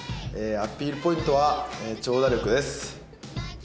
アピールポイントは長打力です。